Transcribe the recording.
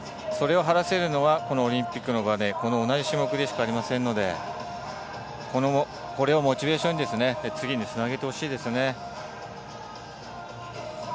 それをはらせるのはこのオリンピックの場で同じ種目でしかありませんので、これをモチベーションに次につなげてほしいですね。